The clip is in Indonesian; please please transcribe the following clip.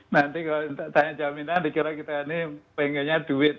nanti kalau tanya jaminan dikira kita ini pengennya duit